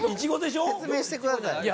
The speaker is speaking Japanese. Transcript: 説明してください。